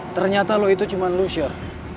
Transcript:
ternyata lo itu cuma lusir